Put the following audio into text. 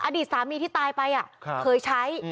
อดีตสามีที่ตายไปเคยใช้